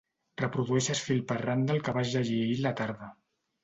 Reprodueixes fil per randa el que vas llegir ahir a la tarda.